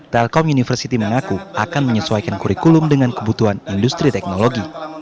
telkom university mengaku akan menyesuaikan kurikulum dengan kebutuhan industri teknologi